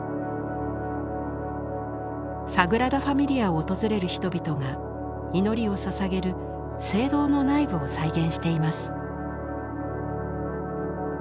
サグラダ・ファミリアを訪れる人々が祈りをささげる聖堂の内部を再現しています。